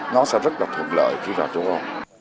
nó sẽ rất là thuận lợi khi vào châu âu